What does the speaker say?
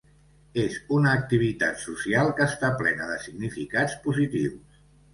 És una activitat social que està plena de significats positius.